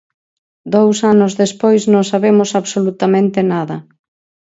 Dous anos despois non sabemos absolutamente nada.